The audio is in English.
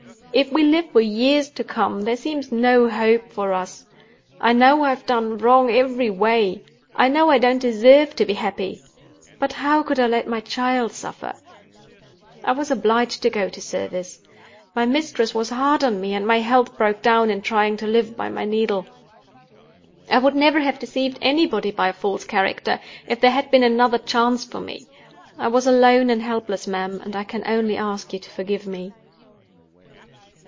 If we live for years to come, there seems no hope for us. I know I have done wrong every way—I know I don't deserve to be happy. But how could I let my child suffer?—I was obliged to go to service. My mistress was hard on me, and my health broke down in trying to live by my needle. I would never have deceived anybody by a false character, if there had been another chance for me. I was alone and helpless, ma'am; and I can only ask you to forgive me."